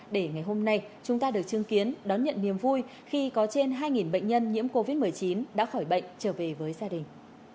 để ngày hôm nay chúng ta được chứng kiến đón nhận niềm vui khi có trên hai bệnh nhân nhiễm covid một mươi chín đã khỏi bệnh trở về với gia đình